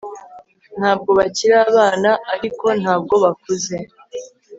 ntabwo bakiri abana, ariko ntabwo bakuze